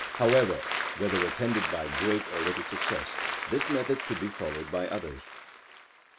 However, whether attended by great or little success, this method should be followed by others.